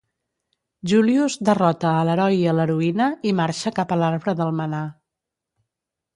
Julius derrota a l'heroi i a l'heroïna i marxa cap a l'Arbre del Manà.